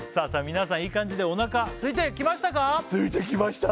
皆さんいい感じですいてきました